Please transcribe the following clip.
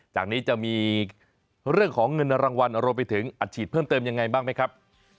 จากนี้จะมีเรื่องของเงินรางวัลรวมไปถึงอัดฉีดเพิ่มเติมยังไงบ้างไหมครับ